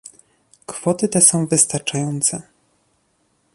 Kwoty te są wystarczające